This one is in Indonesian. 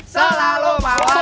selalu mawas diri